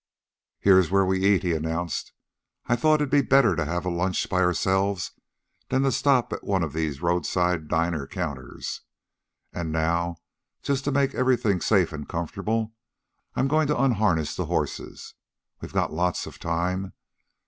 "Here's where we eat," he announced. "I thought it'd be better to have a lunch by ourselves than stop at one of these roadside dinner counters. An' now, just to make everything safe an' comfortable, I'm goin' to unharness the horses. We got lots of time.